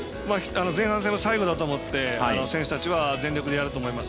前半戦の最後だと思って選手たちは全力でやると思います。